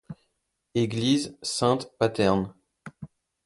Église Saint-Paterne.